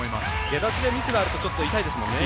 出だしでミスがあると痛いですもんね。